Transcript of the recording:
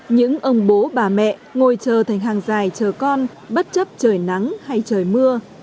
những ông bố bà mẹ ngồi chờ thành hàng dài chờ con bất chấp trời nắng hay trời mưa